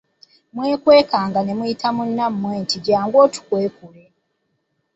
Mwekwekanga ne muyita munnammwe nti: "Jjangu otukwekule."